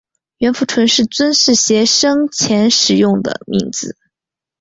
阮福淳是尊室协生前使用的名字。